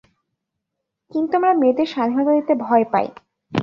কিন্তু আমরা মেয়েদের স্বাধীনতা দিতে ভয় পাই।